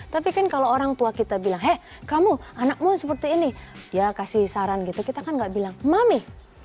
tapi kan kalau orang tua kita bilang hek kamu anakmu seperti ini ya kasih saran gitu kita kan gak bilang mami